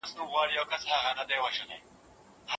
راتلونکی نسل به زموږ د اقتصادي پرېکړو پایلې وګوري.